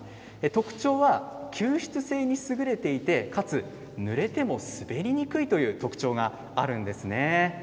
特徴は吸湿性に優れていてかつぬれても滑りにくいという特徴があるんですね。